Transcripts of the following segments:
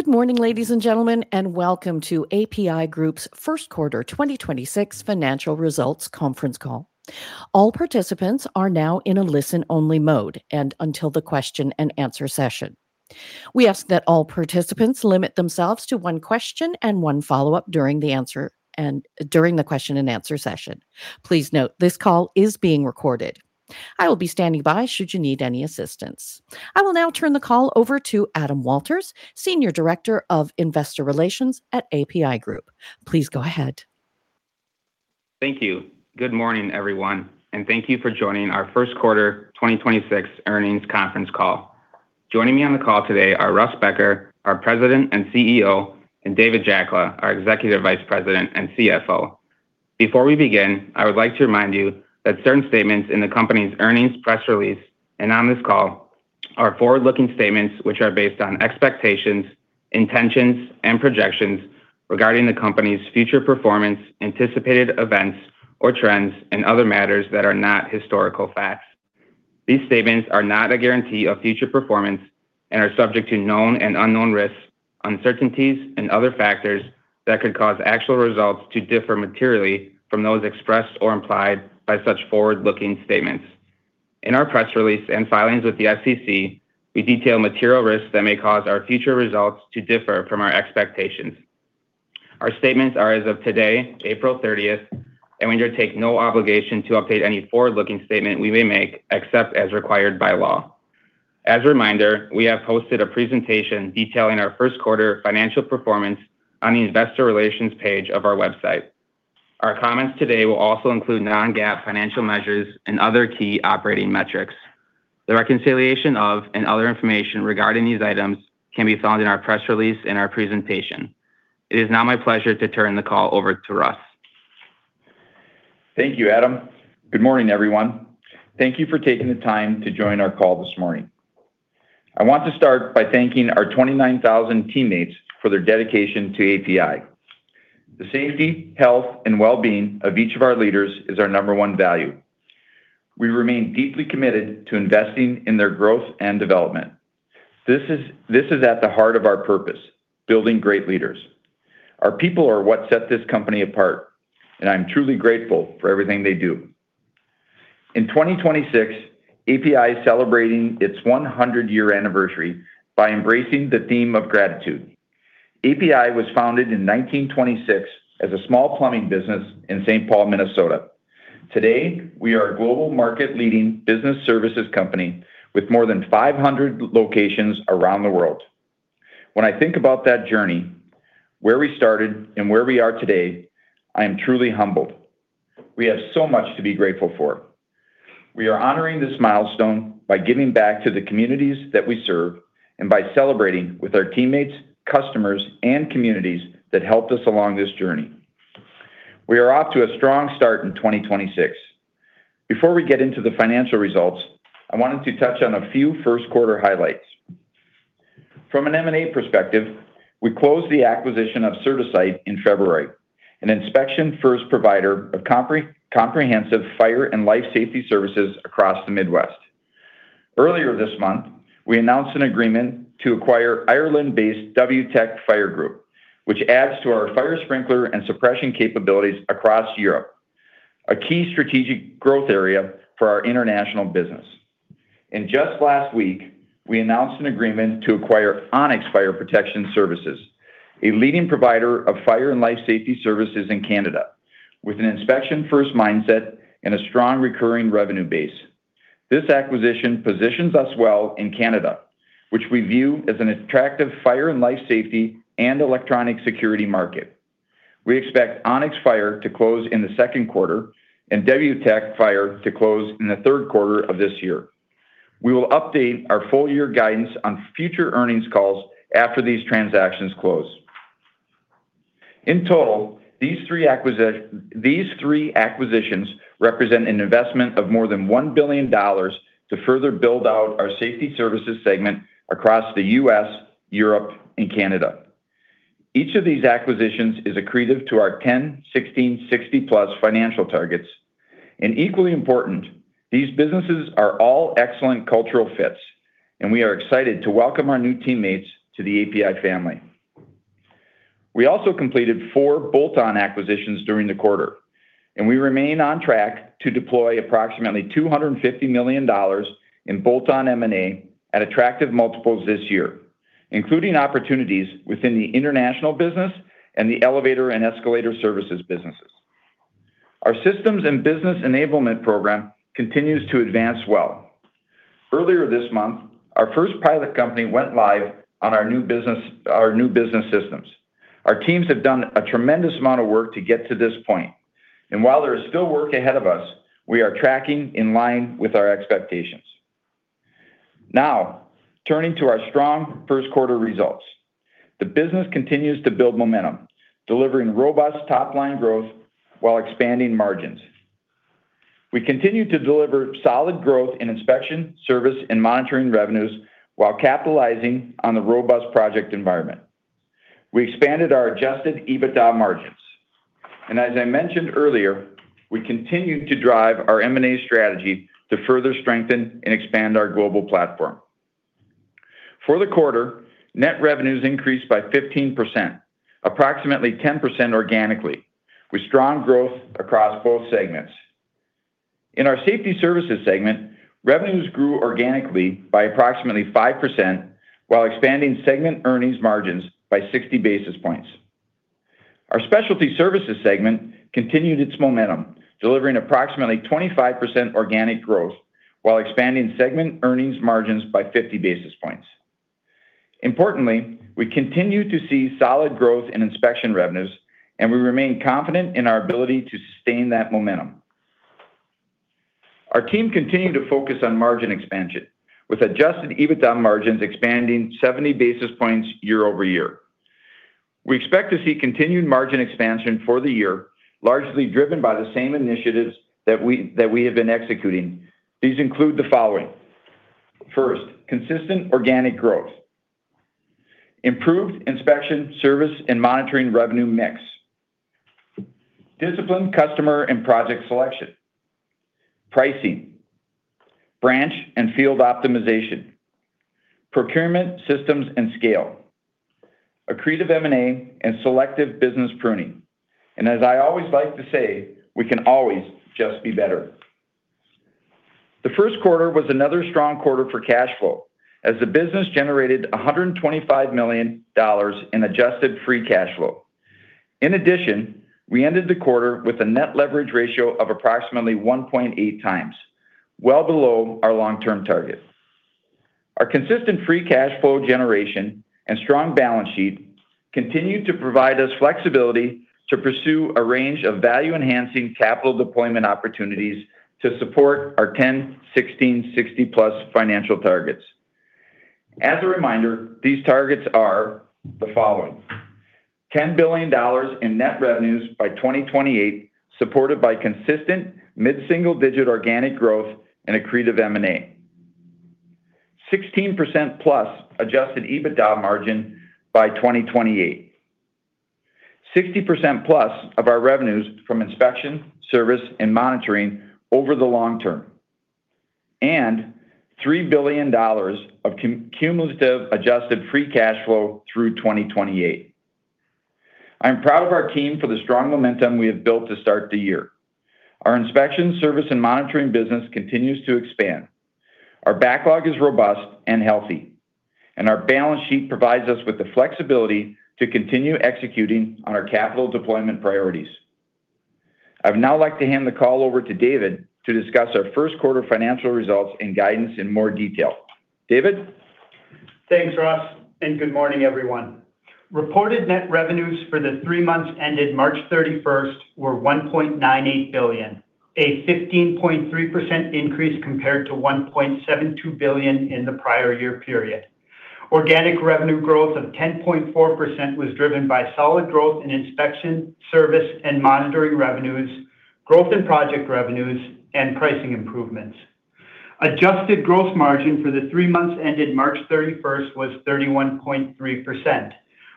Good morning, ladies and gentlemen, and welcome to APi Group's first quarter 2026 financial results conference call. All participants are now in a listen-only mode and until the question-and-answer session. We ask that all participants limit themselves to one question and one follow-up during the question-and-answer session. Please note, this call is being recorded. I will be standing by should you need any assistance. I will now turn the call over to Adam Walters, Senior Director of Investor Relations, APi Group. Please go ahead. Thank you. Good morning, everyone, and thank you for joining our first quarter 2026 earnings conference call. Joining me on the call today are Russ Becker, our President and CEO, and David Jackola, our Executive Vice President and CFO. Before we begin, I would like to remind you that certain statements in the company's earnings press release and on this call are forward-looking statements which are based on expectations, intentions, and projections regarding the company's future performance, anticipated events or trends, and other matters that are not historical facts. These statements are not a guarantee of future performance and are subject to known and unknown risks, uncertainties, and other factors that could cause actual results to differ materially from those expressed or implied by such forward-looking statements. In our press release and filings with the SEC, we detail material risks that may cause our future results to differ from our expectations. Our statements are as of today, April 30th, and we undertake no obligation to update any forward-looking statement we may make, except as required by law. As a reminder, we have posted a presentation detailing our first quarter financial performance on the investor relations page of our website. Our comments today will also include non-GAAP financial measures and other key operating metrics. The reconciliation of, and other information regarding these items can be found in our press release and our presentation. It is now my pleasure to turn the call over to Russ. Thank you, Adam. Good morning, everyone. Thank you for taking the time to join our call this morning. I want to start by thanking our 29,000 teammates for their dedication to APi. The safety, health, and well-being of each of our leaders is our number one value. We remain deeply committed to investing in their growth and development. This is at the heart of our purpose, building great leaders. Our people are what set this company apart, and I'm truly grateful for everything they do. In 2026, APi is celebrating its 100-year anniversary by embracing the theme of gratitude. APi was founded in 1926 as a small plumbing business in Saint Paul, Minnesota. Today, we are a global market-leading business services company with more than 500 locations around the world. When I think about that journey, where we started and where we are today, I am truly humbled. We have so much to be grateful for. We are honoring this milestone by giving back to the communities that we serve and by celebrating with our teammates, customers, and communities that helped us along this journey. We are off to a strong start in 2026. Before we get into the financial results, I wanted to touch on a few first quarter highlights. From an M&A perspective, we closed the acquisition of CertaSite in February, an inspection-first provider of comprehensive fire and life safety services across the Midwest. Earlier this month, we announced an agreement to acquire Ireland-based Wtech Fire Group, which adds to our fire sprinkler and suppression capabilities across Europe, a key strategic growth area for our international business. Just last week, we announced an agreement to acquire Onyx-Fire Protection Services, a leading provider of fire and life safety services in Canada with an inspection-first mindset and a strong recurring revenue base. This acquisition positions us well in Canada, which we view as an attractive fire and life safety and electronic security market. We expect Onyx-Fire to close in the 2Q and Wtech Fire to close in the 3Q of this year. We will update our full year guidance on future earnings calls after these transactions close. In total, these three acquisitions represent an investment of more than $1 billion to further build out our Safety Services segment across the U.S., Europe, and Canada. Each of these acquisitions is accretive to our 10/16/60+ financial targets. Equally important, these businesses are all excellent cultural fits, and we are excited to welcome our new teammates to the APi family. We also completed four bolt-on acquisitions during the quarter, and we remain on track to deploy approximately $250 million in bolt-on M&A at attractive multiples this year, including opportunities within the international business and the elevator and escalator services businesses. Our systems and business enablement program continues to advance well. Earlier this month, our first pilot company went live on our new business, our new business systems. Our teams have done a tremendous amount of work to get to this point, and while there is still work ahead of us, we are tracking in line with our expectations. Now, turning to our strong first quarter results. The business continues to build momentum, delivering robust top-line growth while expanding margins. We continue to deliver solid growth in inspection, service, and monitoring revenues while capitalizing on the robust project environment. We expanded our Adjusted EBITDA margins. As I mentioned earlier, we continue to drive our M&A strategy to further strengthen and expand our global platform. For the quarter, net revenues increased by 15%, approximately 10% organically, with strong growth across both segments. In our Safety Services segment, revenues grew organically by approximately 5%, while expanding segment earnings margins by 60 basis points. Our Specialty Services segment continued its momentum, delivering approximately 25% organic growth while expanding segment earnings margins by 50 basis points. Importantly, we continue to see solid growth in inspection revenues, and we remain confident in our ability to sustain that momentum. Our team continued to focus on margin expansion, with Adjusted EBITDA margins expanding 70 basis points year-over-year. We expect to see continued margin expansion for the year, largely driven by the same initiatives that we have been executing. These include the following. First, consistent organic growth. Improved inspection, service, and monitoring revenue mix. Disciplined customer and project selection. Pricing. Branch and field optimization. Procurement systems and scale. Accretive M&A and selective business pruning. As I always like to say, we can always just be better. The first quarter was another strong quarter for cash flow as the business generated $125 million in Adjusted Free Cash Flow. In addition, we ended the quarter with a Net Leverage Ratio of approximately 1.8x, well below our long-term target. Our consistent free cash flow generation and strong balance sheet continue to provide us flexibility to pursue a range of value-enhancing capital deployment opportunities to support our 10/16/60+ financial targets. As a reminder, these targets are the following: $10 billion in net revenues by 2028, supported by consistent mid-single-digit organic growth and accretive M&A. 16%+ Adjusted EBITDA margin by 2028. 60%+ of our revenues from inspection, service, and monitoring over the long term. $3 billion of cumulative Adjusted Free Cash Flow through 2028. I'm proud of our team for the strong momentum we have built to start the year. Our inspection, service, and monitoring business continues to expand. Our backlog is robust and healthy, and our balance sheet provides us with the flexibility to continue executing on our capital deployment priorities. I'd now like to hand the call over to David to discuss our first quarter financial results and guidance in more detail. David? Thanks, Russ. Good morning, everyone. Reported net revenues for the three months ended March 31st were $1.98 billion, a 15.3% increase compared to $1.72 billion in the prior year period. Organic revenue growth of 10.4% was driven by solid growth in inspection, service, and monitoring revenues, growth in project revenues, and pricing improvements. Adjusted gross margin for the three months ended March 31st was 31.3%,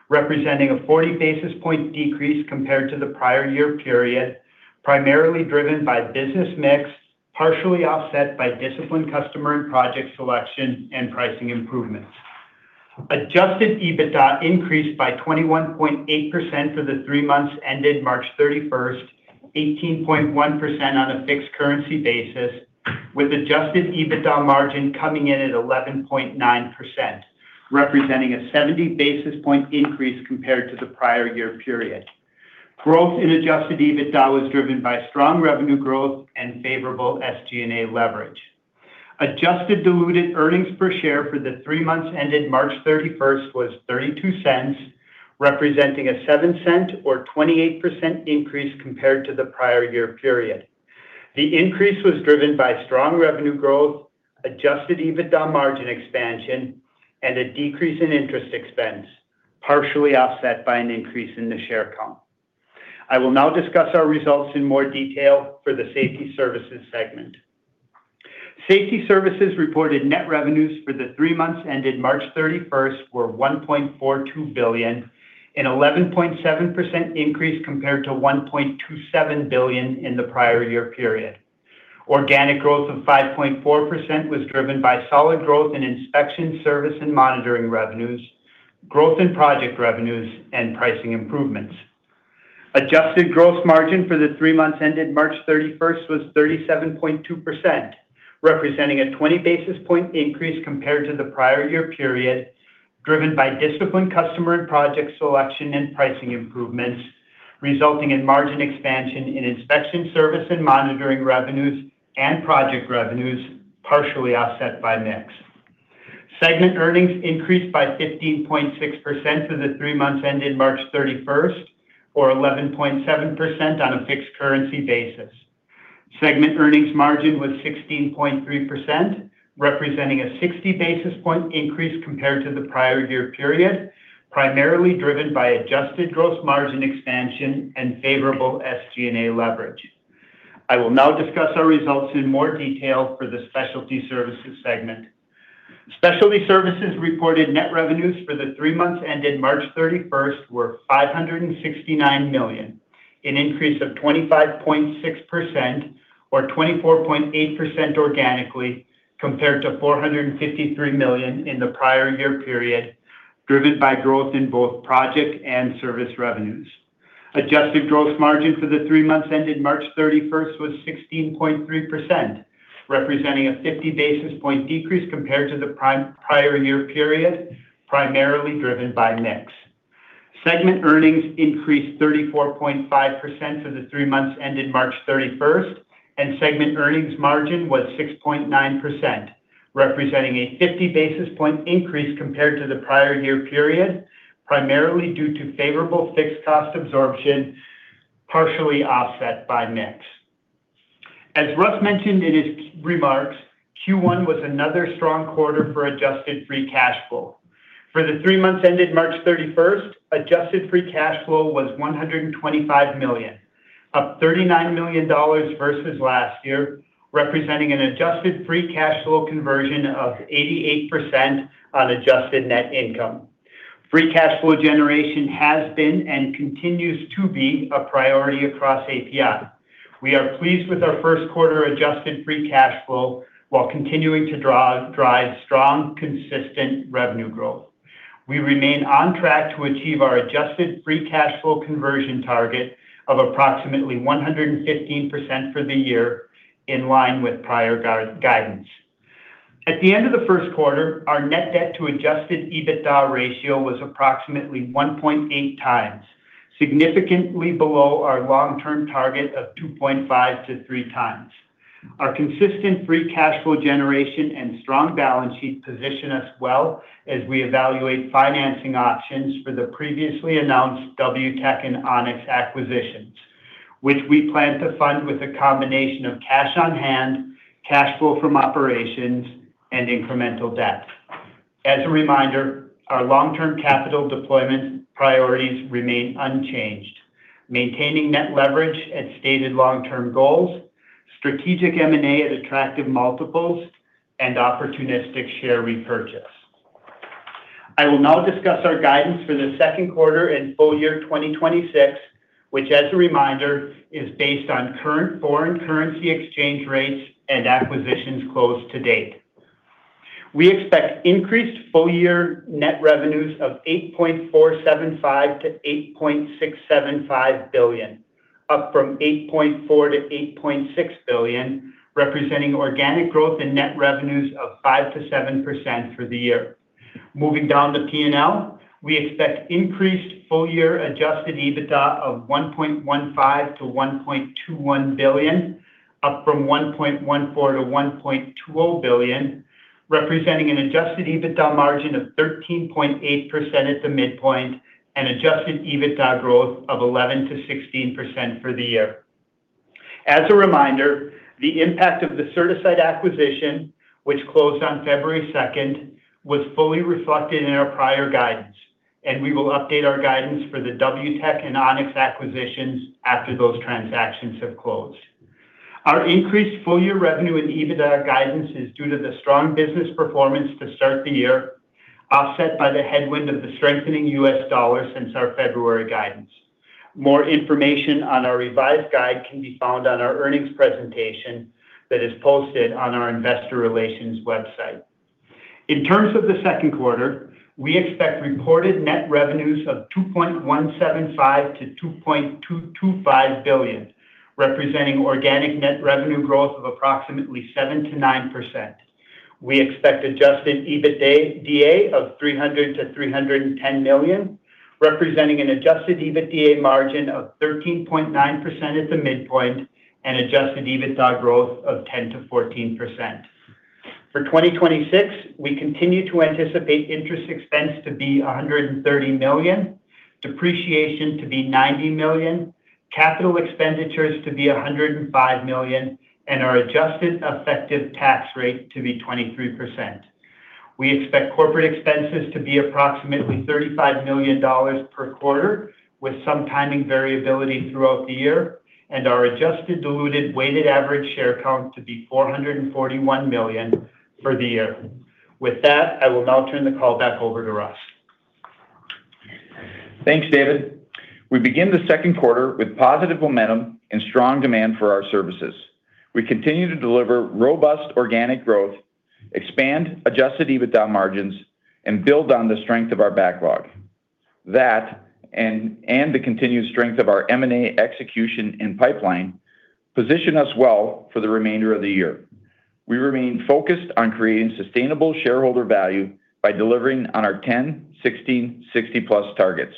representing a 40 basis point decrease compared to the prior year period, primarily driven by business mix, partially offset by disciplined customer and project selection, and pricing improvements. Adjusted EBITDA increased by 21.8% for the three months ended March 31, 18.1% on a fixed currency basis, with Adjusted EBITDA margin coming in at 11.9%, representing a 70 basis point increase compared to the prior year period. Growth in Adjusted EBITDA was driven by strong revenue growth and favorable SG&A leverage. Adjusted Diluted Earnings Per Share for the three months ended March 31 was $0.32, representing a $0.07 or 28% increase compared to the prior year period. The increase was driven by strong revenue growth, Adjusted EBITDA margin expansion, and a decrease in interest expense, partially offset by an increase in the share count. I will now discuss our results in more detail for the Safety Services segment. Safety Services reported net revenues for the three months ended March 31st were $1.42 billion, an 11.7% increase compared to $1.27 billion in the prior year period. Organic growth of 5.4% was driven by solid growth in inspection, service, and monitoring revenues, growth in project revenues, and pricing improvements. Adjusted gross margin for the three months ended March 31st was 37.2%, representing a 20 basis point increase compared to the prior year period, driven by disciplined customer and project selection and pricing improvements, resulting in margin expansion in inspection, service, and monitoring revenues and project revenues, partially offset by mix. Segment earnings increased by 15.6% for the three months ended March 31st or 11.7% on a fixed currency basis. Segment earnings margin was 16.3%, representing a 60 basis point increase compared to the prior year period, primarily driven by adjusted gross margin expansion and favorable SG&A leverage. I will now discuss our results in more detail for the Specialty Services segment. Specialty Services reported net revenues for the three months ended March 31 were $569 million, an increase of 25.6% or 24.8% organically compared to $453 million in the prior year period, driven by growth in both project and service revenues. Adjusted gross margin for the three months ended March 31 was 16.3%, representing a 50 basis point decrease compared to the prior year period, primarily driven by mix. Segment earnings increased 34.5% for the three months ended March 31st, and segment earnings margin was 6.9%, representing a 50 basis point increase compared to the prior year period, primarily due to favorable fixed cost absorption, partially offset by mix. As Russ mentioned in his remarks, Q1 was another strong quarter for Adjusted Free Cash Flow. For the three months ended March 31st, Adjusted Free Cash Flow was $125 million, up $39 million versus last year, representing an Adjusted Free Cash Flow conversion of 88% on Adjusted Net Income. Free Cash Flow generation has been and continues to be a priority across APi. We are pleased with our first quarter Adjusted Free Cash Flow while continuing to drive strong, consistent revenue growth. We remain on track to achieve our Adjusted Free Cash Flow conversion target of approximately 115% for the year in line with prior guidance. At the end of the first quarter, our net debt to Adjusted EBITDA ratio was approximately 1.8x, significantly below our long-term target of 2.5x-3x. Our consistent free cash flow generation and strong balance sheet position us well as we evaluate financing options for the previously announced Wtech and Onyx acquisitions, which we plan to fund with a combination of cash on hand, cash flow from operations, and incremental debt. As a reminder, our long-term capital deployment priorities remain unchanged: maintaining Net Leverage at stated long-term goals, strategic M&A at attractive multiples, and opportunistic share repurchase. I will now discuss our guidance for the second quarter and full year 2026, which as a reminder, is based on current foreign currency exchange rates and acquisitions closed to date. We expect increased full year net revenues of $8.475 billion-$8.675 billion, up from $8.4 billion-$8.6 billion, representing organic growth in net revenues of 5%-7% for the year. Moving down to P&L, we expect increased full year Adjusted EBITDA of $1.15 billion-$1.21 billion, up from $1.14 billion-$1.2 billion, representing an Adjusted EBITDA margin of 13.8% at the midpoint and Adjusted EBITDA growth of 11%-16% for the year. As a reminder, the impact of the CertaSite acquisition, which closed on February 2nd, was fully reflected in our prior guidance, and we will update our guidance for the Wtech and Onyx acquisitions after those transactions have closed. Our increased full-year revenue and EBITDA guidance is due to the strong business performance to start the year, offset by the headwind of the strengthening U.S. dollar since our February guidance. More information on our revised guide can be found on our earnings presentation that is posted on our investor relations website. In terms of the second quarter, we expect reported net revenues of $2.175 billion-$2.225 billion, representing organic net revenue growth of approximately 7%-9%. We expect adjusted EBITDA of $300 million-$310 million, representing an adjusted EBITDA margin of 13.9% at the midpoint and adjusted EBITDA growth of 10%-14%. For 2026, we continue to anticipate interest expense to be $130 million, depreciation to be $90 million, capital expenditures to be $105 million, and our adjusted effective tax rate to be 23%. We expect corporate expenses to be approximately $35 million per quarter, with some timing variability throughout the year, and our adjusted diluted weighted average share count to be 441 million for the year. With that, I will now turn the call back over to Russ. Thanks, David. We begin the second quarter with positive momentum and strong demand for our services. We continue to deliver robust organic growth, expand Adjusted EBITDA margins, and build on the strength of our backlog. The continued strength of our M&A execution and pipeline position us well for the remainder of the year. We remain focused on creating sustainable shareholder value by delivering on our 10/16/60+ targets.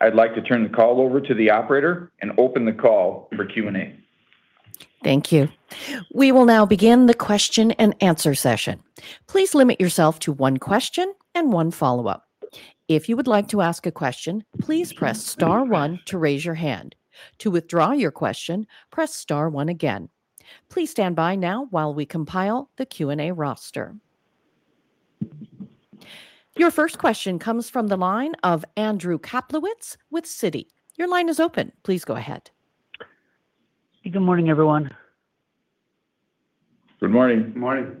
I'd like to turn the call over to the operator and open the call for Q&A. Thank you. We will now begin the question-and-answer session. Please limit yourself to one question and one follow-up. If you would like to ask a question, please press star one to raise your hand. To withdraw your question, press star one again. To withdraw your question, press star one again. Please stand by now while we compile the Q&A roster. Your first question comes from the line of Andrew Kaplowitz with Citi. Your line is open. Please go ahead. Good morning, everyone. Good morning. Good morning.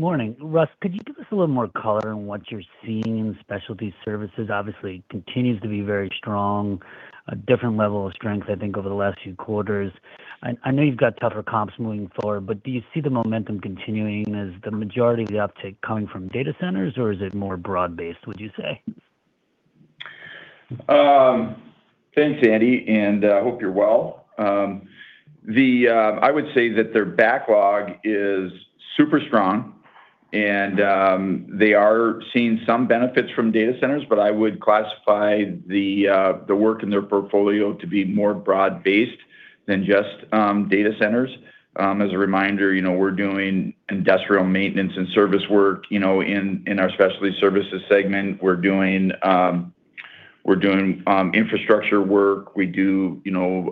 Morning. Russ, could you give us a little more color on what you're seeing in Specialty Services? Obviously, it continues to be very strong. A different level of strength, I think, over the last few quarters. I know you've got tougher comps moving forward. Do you see the momentum continuing as the majority of the uptick coming from data centers, or is it more broad-based, would you say? Thanks, Andy, and hope you're well. I would say that their backlog is super strong and they are seeing some benefits from data centers, but I would classify the work in their portfolio to be more broad-based than just data centers. As a reminder, you know, we're doing industrial maintenance and service work, you know, in our Specialty Services segment. We're doing infrastructure work. We do, you know,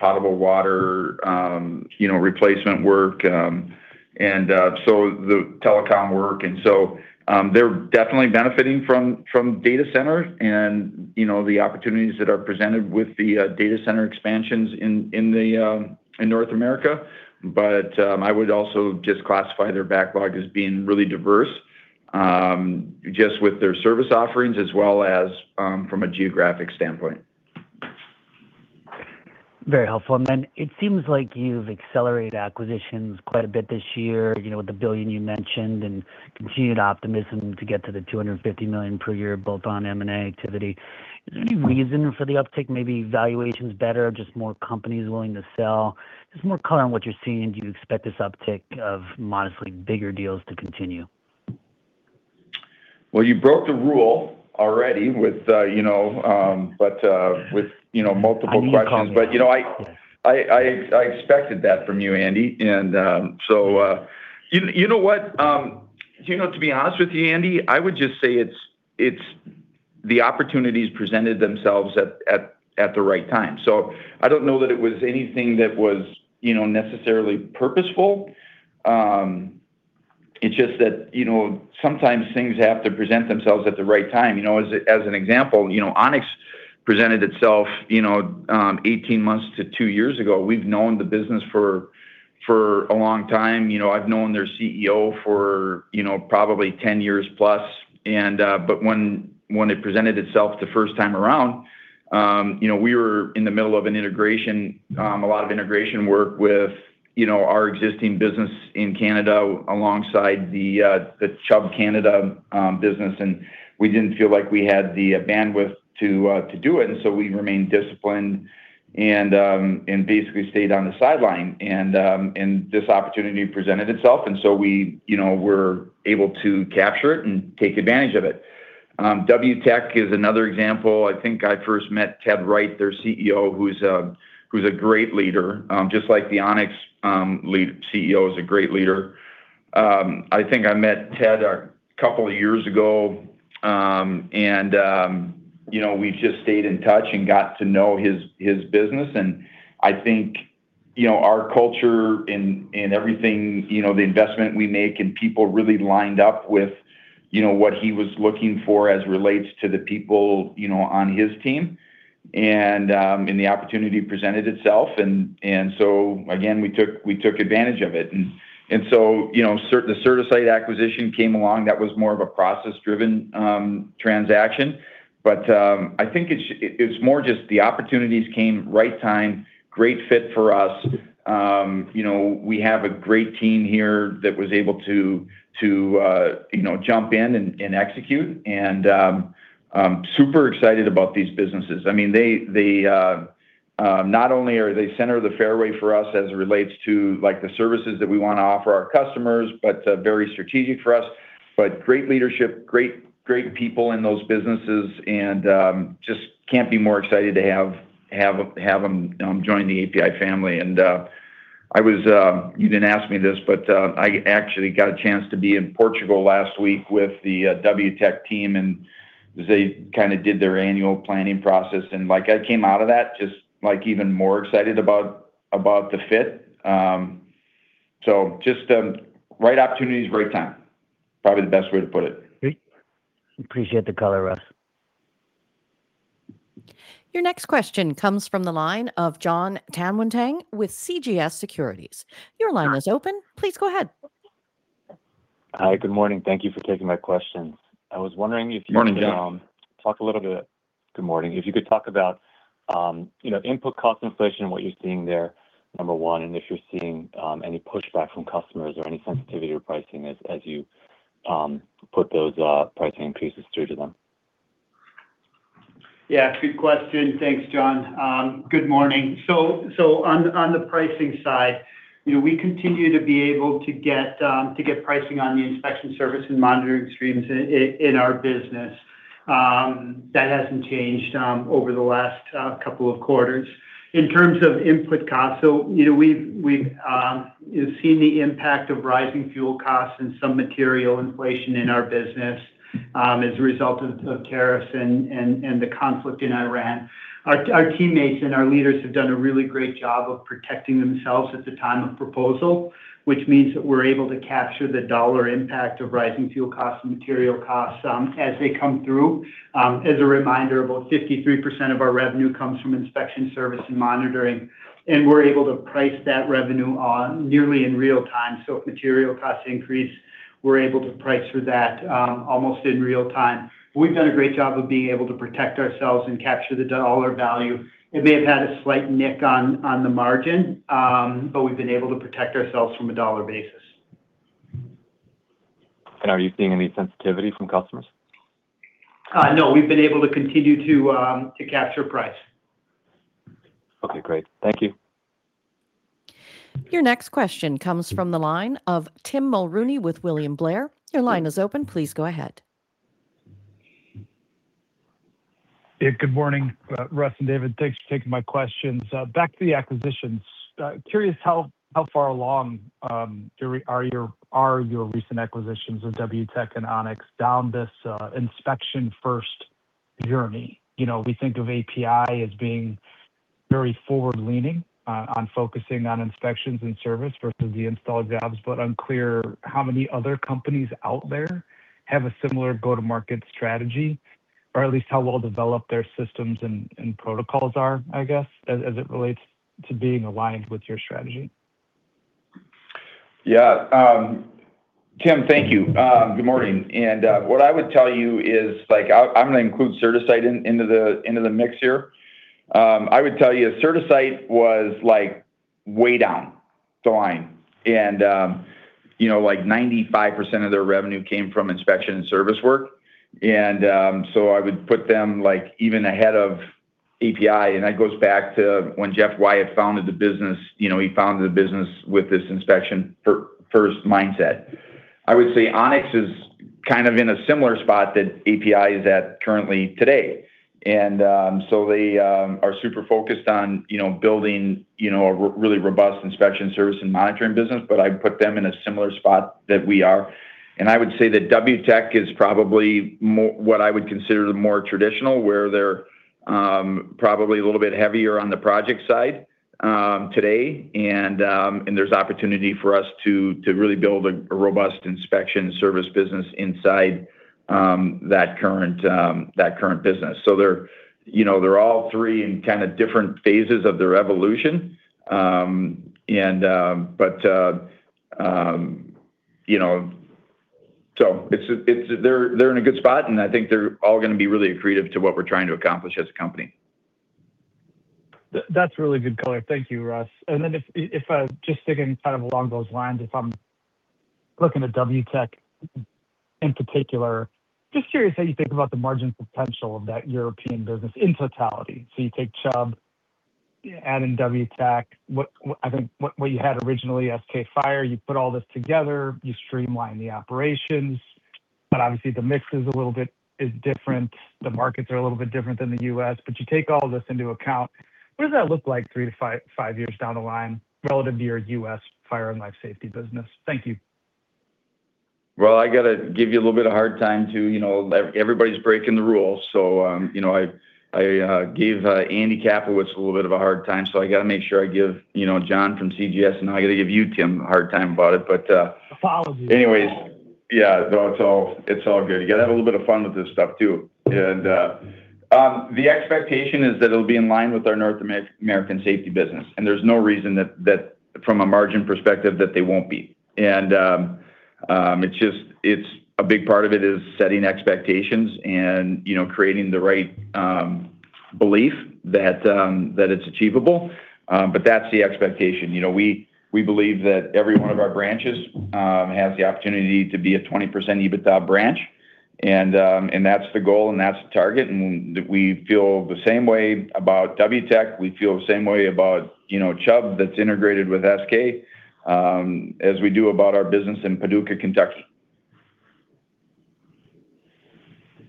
potable water, you know, replacement work, and so the telecom work. They're definitely benefiting from data centers and, you know, the opportunities that are presented with the data center expansions in North America. I would also just classify their backlog as being really diverse, just with their service offerings as well as, from a geographic standpoint. Very helpful. It seems like you've accelerated acquisitions quite a bit this year, you know, with the $1 billion you mentioned and continued optimism to get to the $250 million per year bolt-on M&A activity. Is there any reason for the uptick? Maybe valuation's better or just more companies willing to sell? Just more color on what you're seeing. Do you expect this uptick of modestly bigger deals to continue? Well, you broke the rule already with, you know, but, with, you know, multiple questions. I need the color. You know, I expected that from you, Andy. You know what? You know, to be honest with you, Andy, I would just say it's the opportunities presented themselves at the right time. I don't know that it was anything that was, you know, necessarily purposeful. It's just that, you know, sometimes things have to present themselves at the right time. You know, as an example, you know, Onyx presented itself, you know, 18 months to two years ago. We've known the business for a long time. You know, I've known their CEO for, you know, probably 10 years plus. But when it presented itself the first time around, you know, we were in the middle of an integration, a lot of integration work with, you know, our existing business in Canada alongside the Chubb Canada business, and we didn't feel like we had the bandwidth to do it. We remained disciplined and basically stayed on the sideline. This opportunity presented itself, we, you know, were able to capture it and take advantage of it. Wtech is another example. I think I first met Ted Wright, their CEO, who's a great leader, just like the Onyx CEO is a great leader. I think I met Ted a couple of years ago, you know, we just stayed in touch and got to know his business. I think, you know, our culture and everything, you know, the investment we make and people really lined up with, you know, what he was looking for as relates to the people, you know, on his team. The opportunity presented itself, we took advantage of it. The CertaSite acquisition came along. That was more of a process-driven transaction. I think it's more just the opportunities came right time, great fit for us. You know, we have a great team here that was able to, you know, jump in and execute. I'm super excited about these businesses. They not only are center of the fairway for us as it relates to the services that we want to offer our customers, but very strategic for us. Great leadership, great people in those businesses, and just can't be more excited to have them join the APi family. You didn't ask me this, I actually got a chance to be in Portugal last week with the Wtech team, and they did their annual planning process. I came out of that even more excited about the fit. Right opportunities, right time. Probably the best way to put it. Great. Appreciate the color, Russ. Your next question comes from the line of Jon Tanwanteng with CJS Securities. Your line is open. Please go ahead. Hi. Good morning. Thank you for taking my questions. Morning, Jon. talk a little bit. Good morning. If you could talk about, you know, input cost inflation and what you're seeing there, number one, and if you're seeing any pushback from customers or any sensitivity to pricing as you put those pricing increases through to them. Yeah, good question. Thanks, Jon. Good morning. On the pricing side, you know, we continue to be able to get pricing on the inspection service and monitoring streams in our business. That hasn't changed over the last couple of quarters. In terms of input costs, you know, we've seen the impact of rising fuel costs and some material inflation in our business as a result of tariffs and the conflict in Iran. Our teammates and our leaders have done a really great job of protecting themselves at the time of proposal, which means that we're able to capture the dollar impact of rising fuel costs and material costs as they come through. As a reminder, about 53% of our revenue comes from inspection service and monitoring, and we're able to price that revenue on nearly in real time. If material costs increase, we're able to price for that almost in real time. We've done a great job of being able to protect ourselves and capture the dollar value. It may have had a slight nick on the margin. We've been able to protect ourselves from a dollar basis. Are you seeing any sensitivity from customers? No. We've been able to continue to capture price. Okay, great. Thank you. Your next question comes from the line of Tim Mulrooney with William Blair. Your line is open. Please go ahead. Good morning, Russ and David. Thanks for taking my questions. Back to the acquisitions. Curious how far along are your recent acquisitions of Wtech and Onyx down this inspection first journey? You know, we think of APi as being very forward-leaning on focusing on inspections and service versus the install jobs, but unclear how many other companies out there have a similar go-to-market strategy, or at least how well developed their systems and protocols are, I guess, as it relates to being aligned with your strategy. Tim, thank you. Good morning. What I would tell you is, like, I'm gonna include CertaSite into the mix here. I would tell you CertaSite was, like, way down the line and, you know, like, 95% of their revenue came from inspection service work. I would put them, like, even ahead of APi, and that goes back to when Jeff Wyatt founded the business. You know, he founded the business with this inspection first mindset. I would say Onyx is kind of in a similar spot that APi is at currently today. They are super focused on, you know, building, you know, a really robust inspection service and monitoring business. I'd put them in a similar spot that we are. I would say that Wtech is probably more what I would consider the more traditional, where they're probably a little bit heavier on the project side today. There's opportunity for us to really build a robust inspection service business inside that current business. They're, you know, they're all three in kind of different phases of their evolution. You know, it's they're in a good spot, and I think they're all gonna be really accretive to what we're trying to accomplish as a company. That's really good color. Thank you, Russ. If I just digging kind of along those lines, if I'm looking at Wtech in particular, just curious how you think about the margin potential of that European business in totality. You take Chubb, you add in Wtech, what I think, what you had originally, SK Fire, you put all this together, you streamline the operations. Obviously the mix is a little bit, is different. The markets are a little bit different than the U.S. You take all this into account, what does that look like 3-5 years down the line relative to your U.S. fire and life safety business? Thank you. Well, I gotta give you a little bit of hard time, too. You know, everybody's breaking the rules. You know, I gave Andrew Kaplowitz a little bit of a hard time, so I gotta make sure I give, you know, Jon from CJS, and now I gotta give you, Tim, a hard time about it. Follow through. No, it's all, it's all good. You gotta have a little bit of fun with this stuff, too. The expectation is that it'll be in line with our North American Safety Services business, and there's no reason that, from a margin perspective, that they won't be. It's just, it's a big part of it is setting expectations and, you know, creating the right belief that it's achievable. That's the expectation. You know, we believe that every one of our branches has the opportunity to be a 20% EBITDA branch, and that's the goal and that's the target. We feel the same way about Wtech. We feel the same way about, you know, Chubb that's integrated with SK, as we do about our business in Paducah, Kentucky.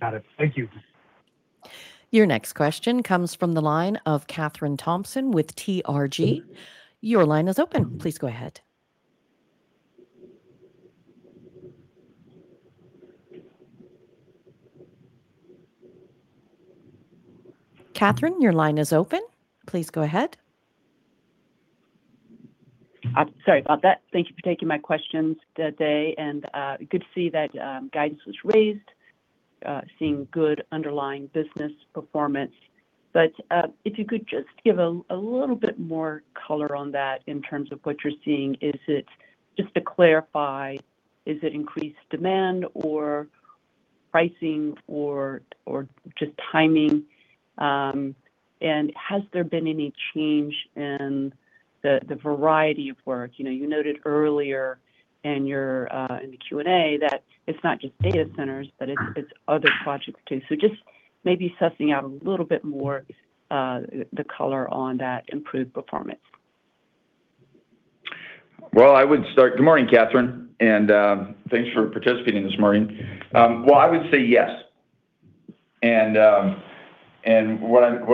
Got it. Thank you. Your next question comes from the line of Kathryn Thompson with TRG. Your line is open. Please go ahead. Kathryn, your line is open. Please go ahead. I'm sorry about that. Thank you for taking my questions today. Good to see that guidance was raised, seeing good underlying business performance. If you could just give a little bit more color on that in terms of what you're seeing. Is it, just to clarify, is it increased demand or pricing or just timing? Has there been any change in the variety of work? You know, you noted earlier in your in the Q&A that it's not just data centers, but it's other projects too. Just maybe sussing out a little bit more the color on that improved performance. Well, I would start. Good morning, Kathryn, and thanks for participating this morning. Well, I would say yes. What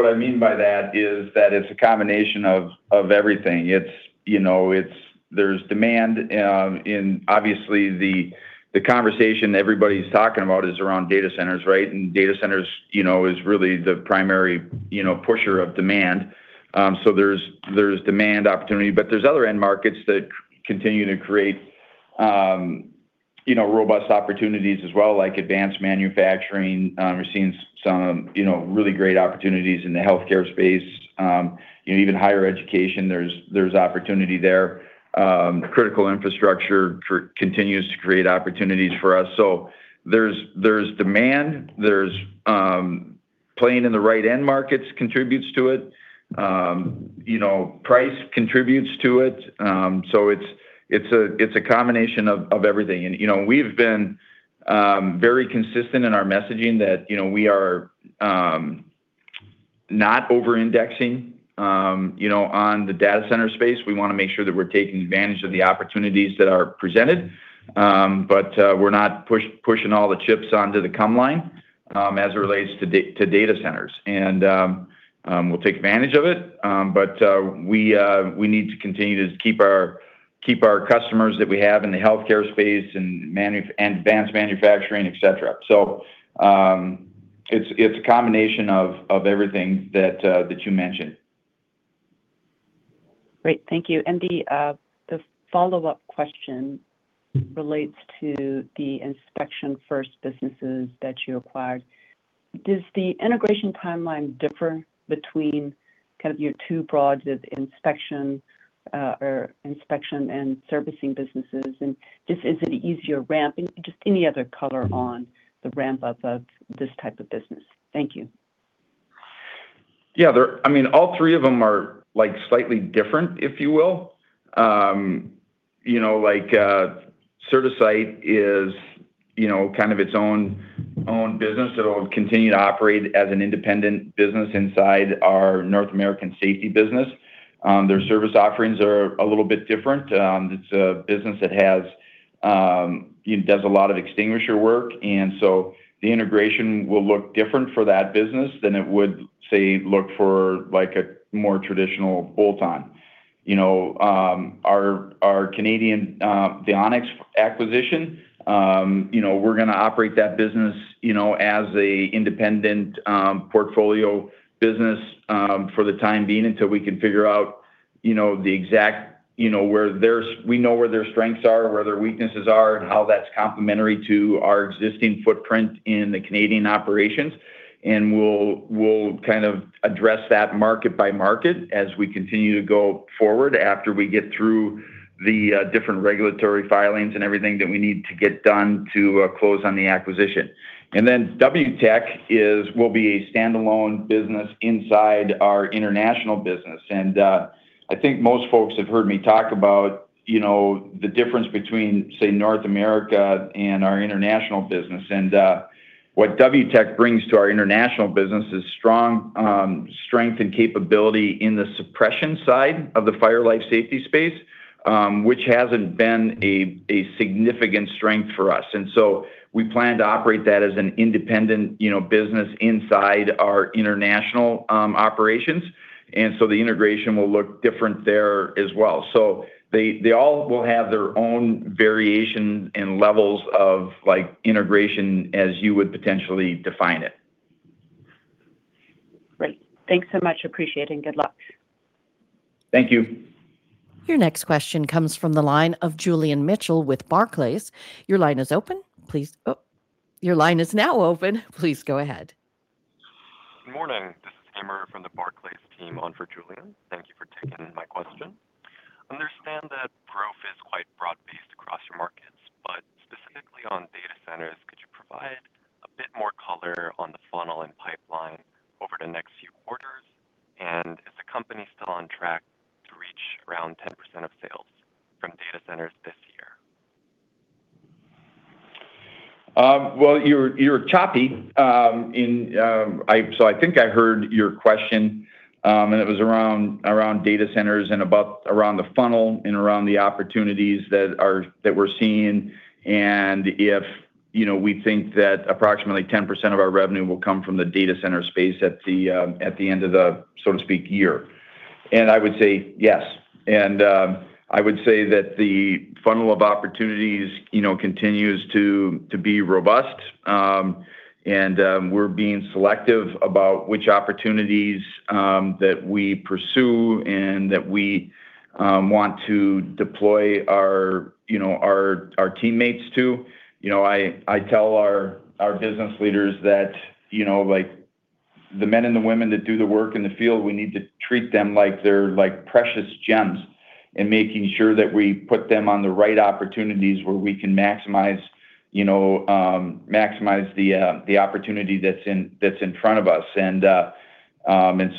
I mean by that is that it's a combination of everything. It's, you know, there's demand in obviously the conversation everybody's talking about is around data centers, right? Data centers, you know, is really the primary, you know, pusher of demand. There's demand opportunity, but there's other end markets that continue to create, you know, robust opportunities as well, like advanced manufacturing. We're seeing some, you know, really great opportunities in the healthcare space. You know, even higher education, there's opportunity there. Critical infrastructure continues to create opportunities for us. There's demand. There's playing in the right end markets contributes to it. You know, price contributes to it. It's a combination of everything. You know, we've been very consistent in our messaging that, you know, we are not over-indexing, you know, on the data center space. We wanna make sure that we're taking advantage of the opportunities that are presented. We're not pushing all the chips onto the come line as it relates to data centers. We'll take advantage of it, but we need to continue to keep our customers that we have in the healthcare space and advanced manufacturing, etc. It's a combination of everything that you mentioned. Great. Thank you. The follow-up question relates to the inspection first businesses that you acquired. Does the integration timeline differ between kind of your two broad inspection or inspection and servicing businesses? Just is it easier ramp? Just any other color on the ramp-up of this type of business. Thank you. Yeah. I mean, all three of them are, like, slightly different, if you will. You know, like, CertaSite is, you know, kind of its own business. It'll continue to operate as an independent business inside our North American safety business. Their service offerings are a little bit different. It's a business that does a lot of extinguisher work, and so the integration will look different for that business than it would, say, look for like a more traditional bolt-on. You know, our Canadian, the Onyx acquisition, you know, we're gonna operate that business, you know, as an independent portfolio business for the time being until we can figure out, you know, the exact, you know, we know where their strengths are, where their weaknesses are, and how that's complementary to our existing footprint in the Canadian operations. We'll kind of address that market by market as we continue to go forward after we get through the different regulatory filings and everything that we need to get done to close on the acquisition. Wtech will be a standalone business inside our international business. I think most folks have heard me talk about, you know, the difference between, say, North America and our international business. What Wtech brings to our international business is strong strength and capability in the suppression side of the fire life safety space, which hasn't been a significant strength for us. We plan to operate that as an independent, you know, business inside our international operations. The integration will look different there as well. They, they all will have their own variation and levels of, like, integration as you would potentially define it. Great. Thanks so much. Appreciate it, and good luck. Thank you. Your next question comes from the line of Julian Mitchell with Barclays. Your line is open. Oh, your line is now open. Please go ahead. Good morning. This is Manav Patnaik from the Barclays team on for Julian Mitchell. Thank you for taking my question. I understand that growth is quite broad-based across your markets, but specifically on data centers, could you provide a bit more color on the funnel and pipeline over the next few quarters? Is the company still on track to reach around 10% of sales from data centers this year? Well, you're choppy. I think I heard your question, and it was around data centers and around the funnel and around the opportunities that we're seeing and if, you know, we think that approximately 10% of our revenue will come from the data center space at the end of the, so to speak, year. I would say yes. I would say that the funnel of opportunities, you know, continues to be robust. We're being selective about which opportunities that we pursue and that we want to deploy our, you know, our teammates to. You know, I tell our business leaders that, you know, like, the men and the women that do the work in the field, we need to treat them like they're like precious gems, and making sure that we put them on the right opportunities where we can maximize, you know, maximize the opportunity that's in front of us.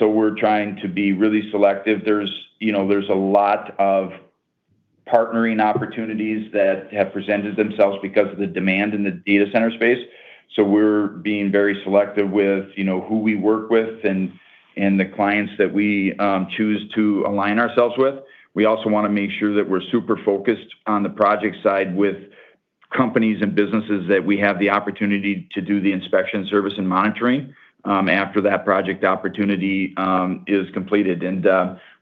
We're trying to be really selective. There's, you know, there's a lot of partnering opportunities that have presented themselves because of the demand in the data center space. We're being very selective with, you know, who we work with and the clients that we choose to align ourselves with. We also wanna make sure that we're super focused on the project side with companies and businesses that we have the opportunity to do the inspection service and monitoring after that project opportunity is completed.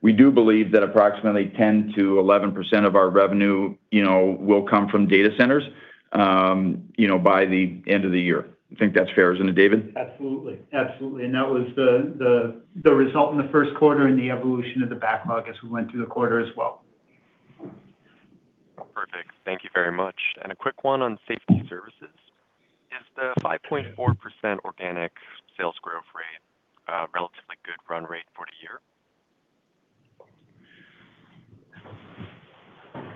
We do believe that approximately 10%-11% of our revenue, you know, will come from data centers, you know, by the end of the year. You think that's fair, isn't it, David? Absolutely. Absolutely, that was the result in the first quarter and the evolution of the backlog as we went through the quarter as well. Perfect. Thank you very much. A quick one on Safety Services. Is the 5.4% organic sales growth rate a relatively good run rate for the year?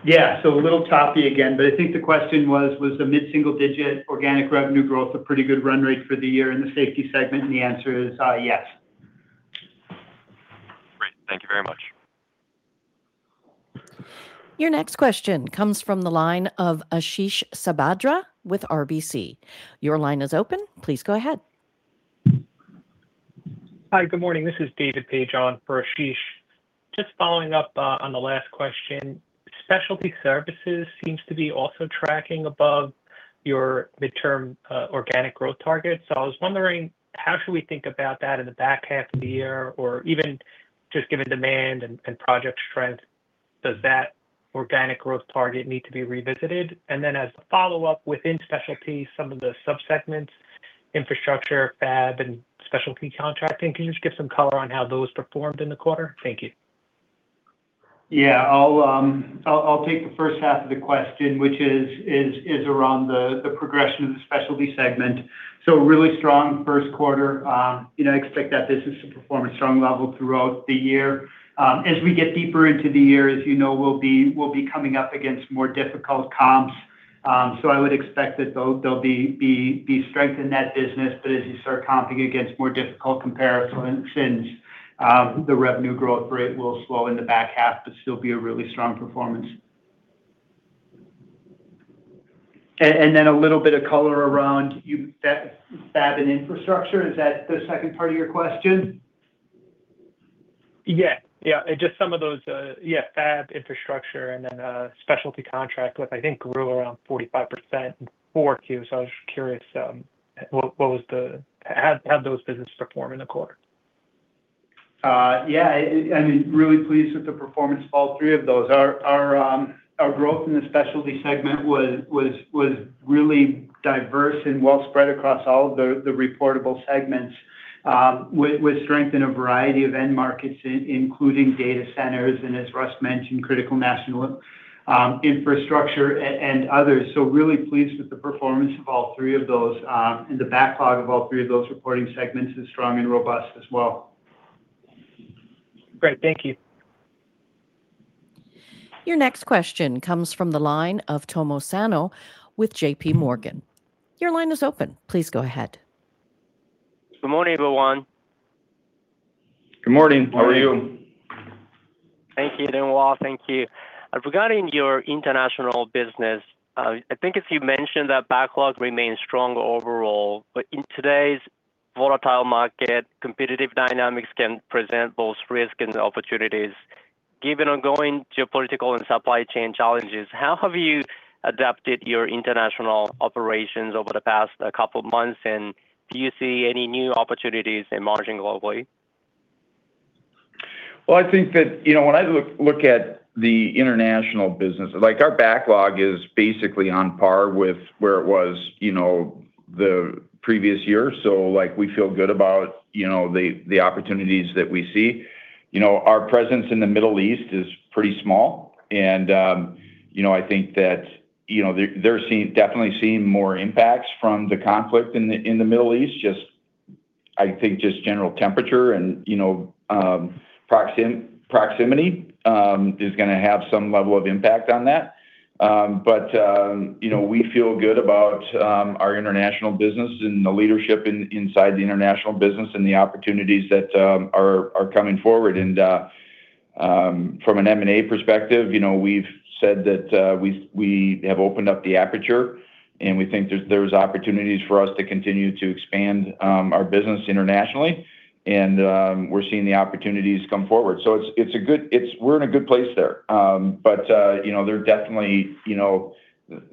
Yeah. A little choppy again, but I think the question was the mid-single digit organic revenue growth a pretty good run rate for the year in the Safety segment? The answer is, yes. Great. Thank you very much. Your next question comes from the line of Ashish Sabadra with RBC Capital Markets. Your line is open. Please go ahead. Hi. Good morning. This is David Page on for Ashish. Just following up on the last question. Specialty Services seems to be also tracking above your midterm organic growth targets. I was wondering, how should we think about that in the back half of the year? Or even just given demand and project strength, does that organic growth target need to be revisited? As a follow-up, within Specialty, some of the sub-segments, infrastructure, fab, and specialty contracting, can you just give some color on how those performed in the quarter? Thank you. Yeah. I'll take the first half of the question, which is around the progression of the Specialty segment. Really strong first quarter. you know, expect that business to perform a strong level throughout the year. As we get deeper into the year, as you know, we'll be coming up against more difficult comps. I would expect that there'll be strength in that business. As you start comping against more difficult comparisons, the revenue growth rate will slow in the back half but still be a really strong performance. And then a little bit of color around your fab and infrastructure, is that the second part of your question? Yeah, yeah. Just some of those fab, infrastructure, and then specialty contract, which I think grew around 45% in 4Q. I was just curious, how'd those businesses perform in the quarter? Yeah. I mean, really pleased with the performance of all three of those. Our growth in the Specialty Services segment was really diverse and well spread across all of the reportable segments, with strength in a variety of end markets, including data centers and, as Russ Becker mentioned, critical national infrastructure and others. Really pleased with the performance of all three of those. The backlog of all three of those reporting segments is strong and robust as well. Great. Thank you. Your next question comes from the line of Tomohiko Sano with JPMorgan. Your line is open. Please go ahead. Good morning, everyone. Good morning. How are you? Thank you. Doing well, thank you. Regarding your international business, I think as you mentioned that backlog remains strong overall. In today's volatile market, competitive dynamics can present both risk and opportunities. Given ongoing geopolitical and supply chain challenges, how have you adapted your international operations over the past couple months? Do you see any new opportunities in margin globally? Well, I think that, you know, when I look at the international business, like our backlog is basically on par with where it was, you know, the previous year. Like, we feel good about, you know, the opportunities that we see. You know, our presence in the Middle East is pretty small and, you know, I think that, you know, they're seeing, definitely seeing more impacts from the conflict in the Middle East. Just, I think just general temperature and, you know, proximity is gonna have some level of impact on that. You know, we feel good about our international business and the leadership inside the international business and the opportunities that are coming forward. From an M&A perspective, you know, we've said that we have opened up the aperture, and we think there's opportunities for us to continue to expand our business internationally. We're seeing the opportunities come forward, so we're in a good place there. You know, there definitely, you know,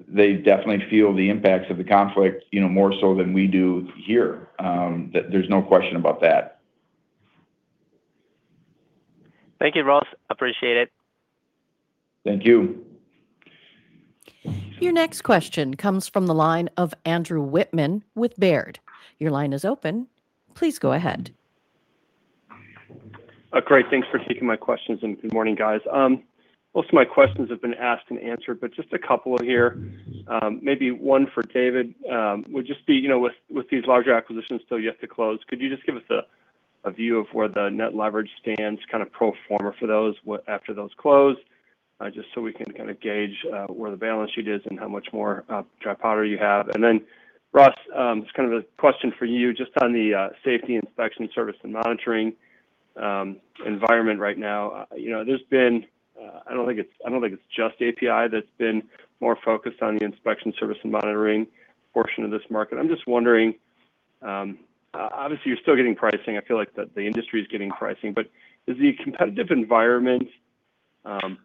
they definitely feel the impacts of the conflict, you know, more so than we do here. There's no question about that. Thank you, Russ. Appreciate it. Thank you. Your next question comes from the line of Andrew Wittmann with Baird. Great, thanks for taking my questions, and good morning, guys. Most of my questions have been asked and answered, but just a couple here. Maybe one for David, would just be, you know, with these larger acquisitions still yet to close, could you just give us a view of where the Net Leverage stands kind of pro forma for those what, after those close? Just so we can kind of gauge where the balance sheet is and how much more dry powder you have. Russ, just kind of a question for you just on the safety inspection service and monitoring environment right now. You know, there's been I don't think it's just APi that's been more focused on the inspection service and monitoring portion of this market. I'm just wondering, obviously you're still getting pricing. I feel like the industry is getting pricing, is the competitive environment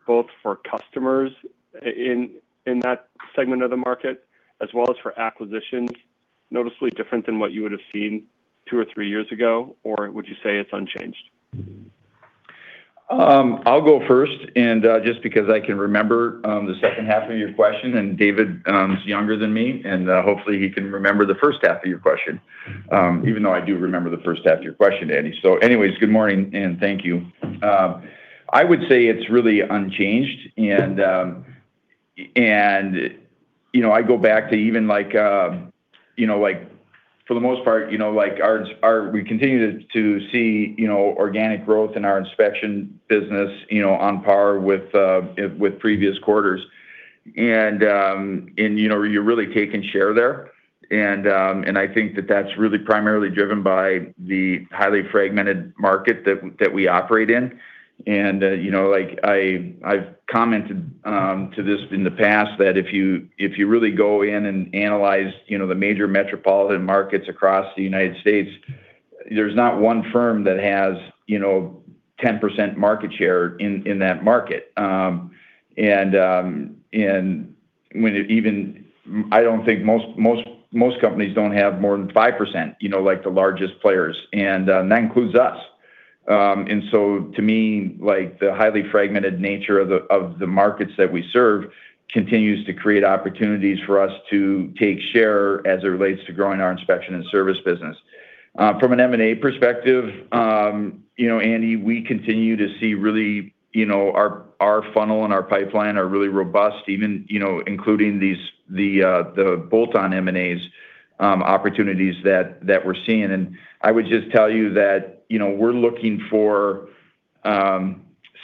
both for customers in that segment of the market as well as for acquisitions noticeably different than what you would have seen two or three years ago? Would you say it's unchanged? I'll go first and just because I can remember the second half of your question, and David is younger than me, and hopefully he can remember the first half of your question. Even though I do remember the first half of your question, Andy. Anyways, good morning and thank you. I would say it's really unchanged and, you know, I go back to even like, you know, like for the most part, you know, like our we continue to see, you know, organic growth in our inspection business, you know, on par with previous quarters and, you know, you're really taking share there. I think that that's really primarily driven by the highly fragmented market that we operate in. You know, like I've commented to this in the past that if you, if you really go in and analyze, you know, the major metropolitan markets across the U.S., there's not one firm that has, you know, 10% market share in that market. I don't think most companies don't have more than 5%, you know, like the largest players, that includes us. To me, like the highly fragmented nature of the markets that we serve continues to create opportunities for us to take share as it relates to growing our inspection and service business. From an M&A perspective, you know, Andy, we continue to see really, you know, our funnel and our pipeline are really robust even, you know, including the bolt-on M&As opportunities that we're seeing. I would just tell you that, you know, we're looking for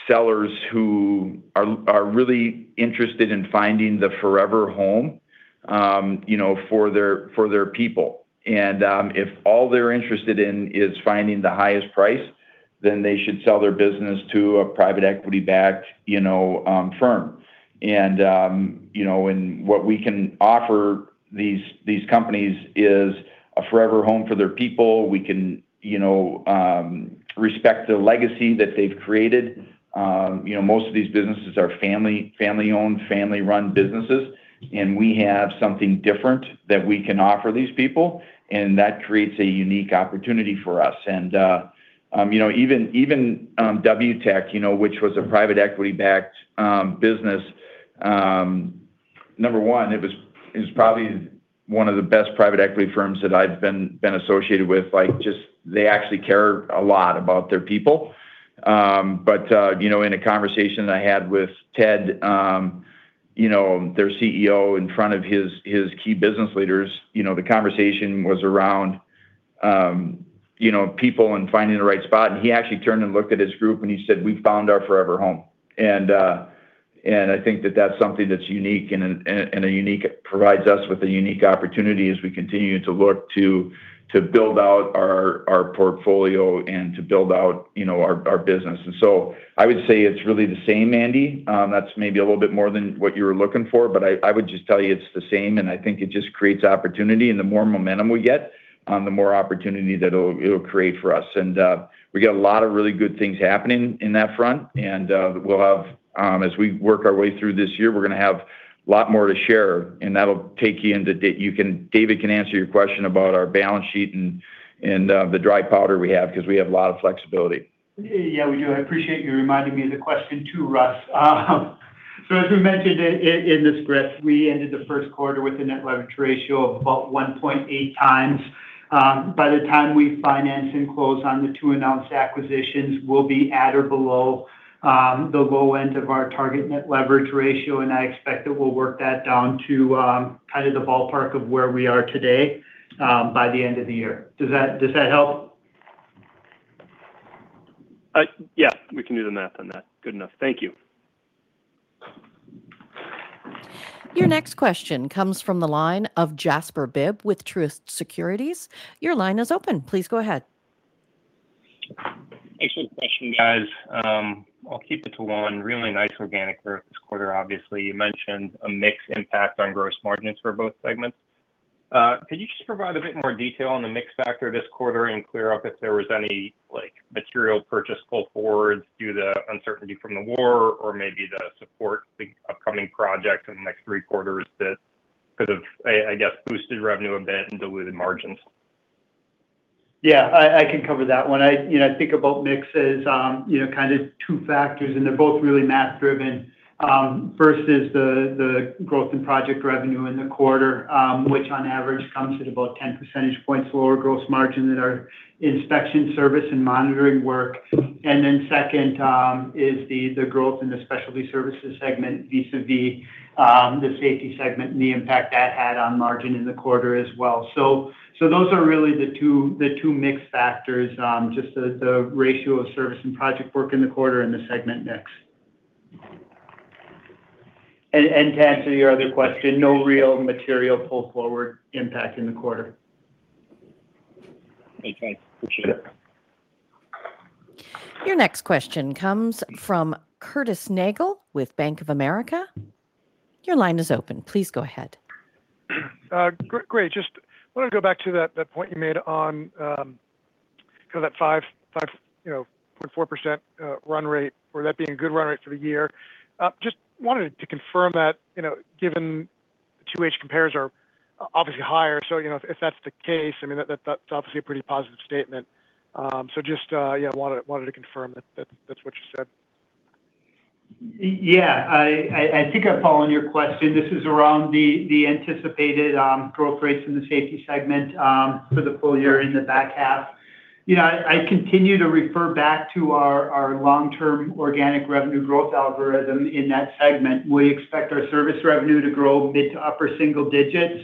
sellers who are really interested in finding the forever home, you know, for their people. If all they're interested in is finding the highest price, then they should sell their business to a private equity-backed, you know, firm. You know, and what we can offer these companies is a forever home for their people. We can, you know, respect the legacy that they've created. You know, most of these businesses are family-owned, family-run businesses, we have something different that we can offer these people, and that creates a unique opportunity for us. You know, even, Wtech, you know, which was a private equity-backed business, number one, it was probably one of the best private equity firms that I've been associated with. Like, just they actually care a lot about their people. But, you know, in a conversation I had with Ted, you know, their CEO in front of his key business leaders, you know, the conversation was around, you know, people and finding the right spot. He actually turned and looked at his group, and he said, "We found our forever home." I think that that's something that's unique and a unique opportunity as we continue to look to build out our portfolio and to build out, you know, our business. I would say it's really the same, Andy. That's maybe a little bit more than what you were looking for, but I would just tell you it's the same, and I think it just creates opportunity. The more momentum we get, the more opportunity that it'll create for us. We got a lot of really good things happening in that front. We'll have, as we work our way through this year, we're gonna have a lot more to share, and that'll take you into David can answer your question about our balance sheet and the dry powder we have because we have a lot of flexibility. Yeah, we do. I appreciate you reminding me of the question too, Russ. As we mentioned in the script, we ended the first quarter with a net leverage ratio of about 1.8x. By the time we finance and close on the 2 announced acquisitions, we'll be at or below the low end of our target net leverage ratio, and I expect that we'll work that down to kind of the ballpark of where we are today by the end of the year. Does that help? Yeah, we can do the math on that. Good enough. Thank you. Your next question comes from the line of Jasper Bibb with Truist Securities. Your line is open. Please go ahead. Excellent. Thank you, guys. I'll keep it to one. Really nice organic growth this quarter, obviously. You mentioned a mixed impact on gross margins for both segments. Could you just provide a bit more detail on the mix factor this quarter and clear up if there was any material purchase pull-forwards due to the uncertainty from the war or maybe the support the upcoming project in the next three quarters that could have boosted revenue a bit and diluted margins? Yeah, I can cover that one. I, you know, I think about mixes, you know, kind of two factors, and they're both really math driven. First is the growth in project revenue in the quarter, which on average comes at about 10 percentage points lower gross margin than our inspection service and monitoring work. Second is the growth in the Specialty Services segment vis-a-vis the Safety Services segment and the impact that had on margin in the quarter as well. Those are really the two, the two mix factors, just the ratio of service and project work in the quarter and the segment mix. To answer your other question, no real material pull-forward impact in the quarter. Hey, thanks. Appreciate it. Your next question comes from Curtis Nagle with Bank of America. Your line is open. Please go ahead. Great. Just wanted to go back to that point you made on kind of that 5.4% run rate, or that being a good run rate for the year. Just wanted to confirm that, you know, given the 2H compares are obviously higher, so, you know, if that's the case, I mean, that's obviously a pretty positive statement. Just yeah, wanted to confirm that that's what you said. Yeah. I think I follow your question. This is around the anticipated growth rates in the Safety Services segment for the full year in the back half. You know, I continue to refer back to our long-term organic revenue growth algorithm in that segment. We expect our service revenue to grow mid- to upper-single digits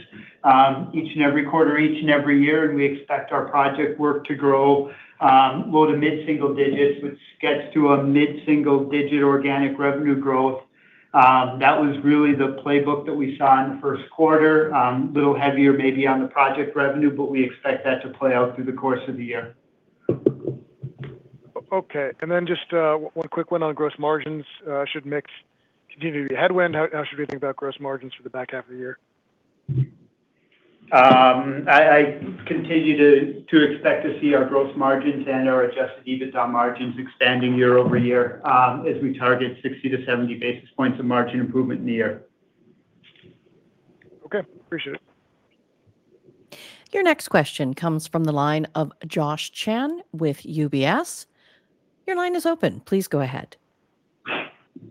each and every quarter, each and every year, and we expect our project work to grow low- to mid-single digits, which gets to a mid-single digit organic revenue growth. That was really the playbook that we saw in the first quarter. A little heavier maybe on the project revenue, we expect that to play out through the course of the year. Okay. Just one quick one on gross margins. Should mix continue to be a headwind? How should we think about gross margins for the back half of the year? I continue to expect to see our gross margins and our Adjusted EBITDA margins expanding year-over-year, as we target 60 to 70 basis points of margin improvement in the year. Okay. Appreciate it. Your next question comes from the line of Joshua Chan with UBS. Your line is open. Please go ahead.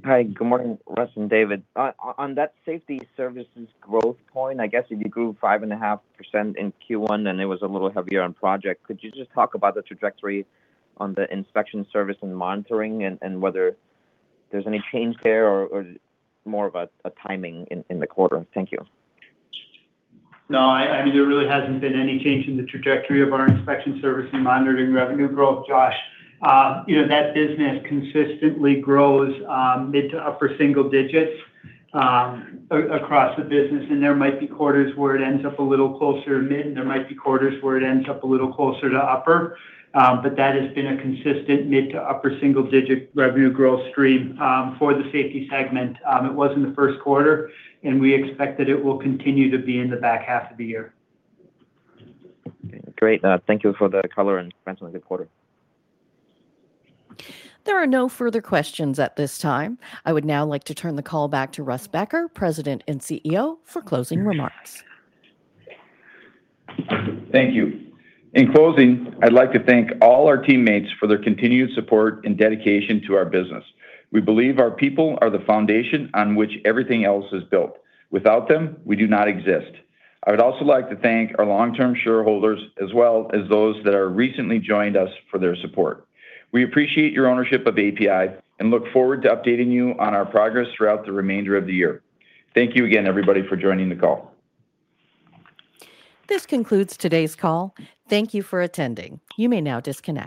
Hi. Good morning, Russ and David. On that Safety Services growth point, I guess if you grew 5.5% in Q1, then it was a little heavier on project. Could you just talk about the trajectory on the inspection service and monitoring and whether there's any change there or more of a timing in the quarter? Thank you. No, I mean, there really hasn't been any change in the trajectory of our inspection service and monitoring revenue growth, Josh. you know, that business consistently grows mid to upper single digits across the business, and there might be quarters where it ends up a little closer to mid, and there might be quarters where it ends up a little closer to upper. That has been a consistent mid to upper single digit revenue growth stream for the Safety Services segment. It was in the first quarter, and we expect that it will continue to be in the back half of the year. Great. Thank you for the color and comments on the quarter. There are no further questions at this time. I would now like to turn the call back to Russ Becker, President and CEO, for closing remarks. Thank you. In closing, I'd like to thank all our teammates for their continued support and dedication to our business. We believe our people are the foundation on which everything else is built. Without them, we do not exist. I would also like to thank our long-term shareholders as well as those that are recently joined us for their support. We appreciate your ownership of APi and look forward to updating you on our progress throughout the remainder of the year. Thank you again, everybody, for joining the call. This concludes today's call. Thank you for attending. You may now disconnect.